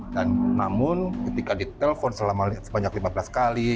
dan namun ketika ditelpon selama sebanyak lima belas kali